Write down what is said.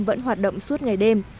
vẫn hoạt động suốt ngày đêm